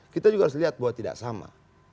kita juga harus lihat bahwa tidak sama